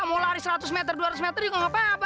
mau lari seratus meter dua ratus meter juga nggak apa apa